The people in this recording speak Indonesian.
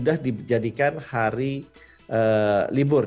jadi ini diserahkan kepada negara negara lainnya ya pak